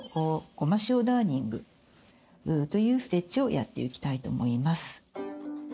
ゴマシオダーニングというステッチをやっていきたいと思います。